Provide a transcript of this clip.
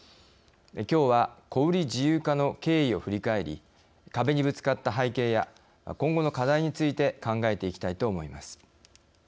きょうは、小売り自由化の経緯を振り返り、壁にぶつかった背景や今後の課題について考えていきたいと思います。